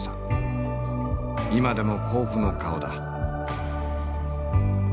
今でも甲府の顔だ。